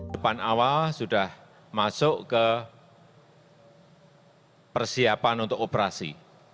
depan awal sudah masuk ke persiapan untuk operasi